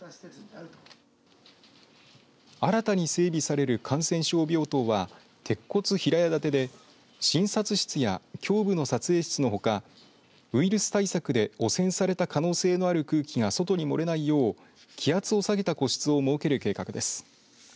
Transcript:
新たに整備される感染症病棟は鉄骨平屋建てで診察室や胸部の撮影室のほかウイルス対策で汚染された可能性のある空気が外に漏れないよう気圧を下げた個室を設ける計画です。